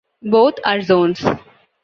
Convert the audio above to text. Both are zones.